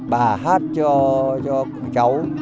bà hát cho cháu